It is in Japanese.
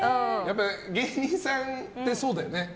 芸人さんってそうだよね。